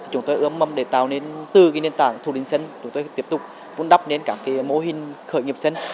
chúng tôi ước mong để tạo nên từ nền tảng thủ đình sân chúng tôi tiếp tục vốn đắp đến các mô hình khởi nghiệp sân